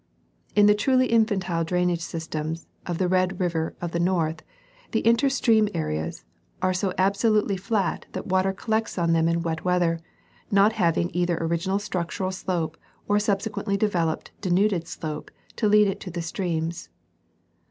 In the truly infantile drainage system of the Red River of the North, the inter stream areas are so abso lutely flat that water collects on them in wet weather, not having either original structural slope or subsequently developed de nuded slope to lead it to the streams.